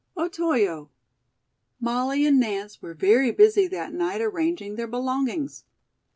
OTOYO. Molly and Nance were very busy that night arranging their belongings.